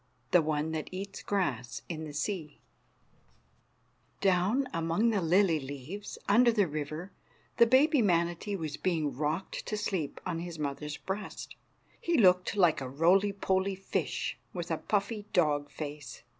_] THE ONE THAT EATS GRASS IN THE SEA DOWN among the lily leaves, under the river, the baby manatee was being rocked to sleep on his mother's breast. He looked like a roly poly fish, with a puffy dog face.